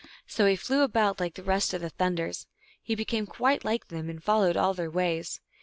So he flew about like the rest of the Thunders ; he became quite like them, and fol lowed all their ways.